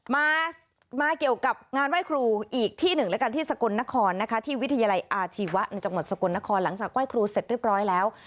มามาเกี่ยวกับงานไหว้ครูอีกที่หนึ่งแล้วกันที่สกลนครนะคะที่วิทยาลัยอาชีวะในจังหวัดสกลนครหลังจากไหว้ครูเสร็จเรียบร้อยแล้ว